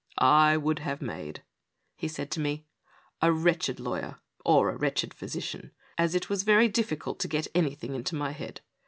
" I would have made," he said to me, a wretched lawyer or a wretched physician, as it was very difficult to get anything into my head.